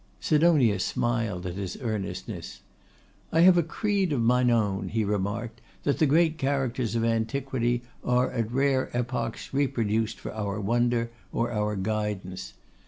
Sidonia smiled at his earnestness. 'I have a creed of mine own,' he remarked, 'that the great characters of antiquity are at rare epochs reproduced for our wonder, or our guidance.